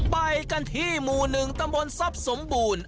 ไปกันที่หมู่๑ตำบลทรัพย์สมบูรณ์